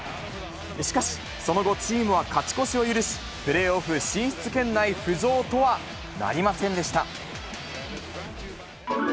しかし、その後、チームは勝ち越しを許し、プレーオフ進出圏内浮上とはなりませんでした。